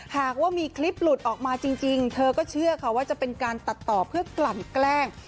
หากว่ามีคลิปหลุดออกมาจริงเธอก็เชื่อค่ะว่าจะเป็นการตัดต่อเพื่อกลั่นแกล้ง